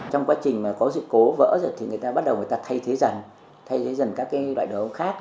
trong quá trình có sự cố vỡ rồi thì người ta bắt đầu thay thế dần các loại đường ống khác